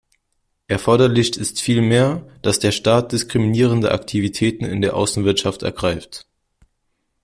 Erforderlich ist vielmehr, dass der Staat diskriminierende Aktivitäten in der Außenwirtschaft ergreift.